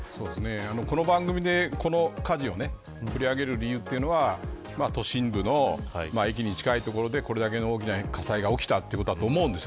この番組でこの火事を取り上げる理由というのは都心部の駅に近いところでこれだけの大きな火災が起きたということだと思うんです。